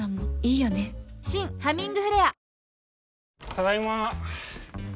ただいま。